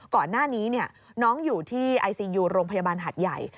ก่อนหน้านี้น้องอยู่ที่ไอซียูโรงพยาบาลหัดใหญ่